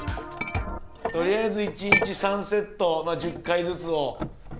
とりあえず一日３セット１０回ずつを目標に。